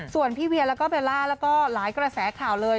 ส่วนพี่เวียแล้วก็เบลล่าแล้วก็หลายกระแสข่าวเลย